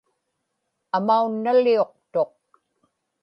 amaunnaliuqtuq